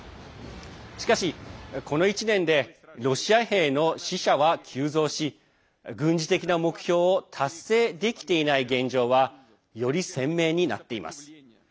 しかし、この１年でロシア兵の死者は急増し軍事的な目標を達成できていない現状はより鮮明になっています。